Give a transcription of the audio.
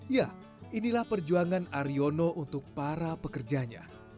ya inilah perjuangan aryono untuk para pekerjanya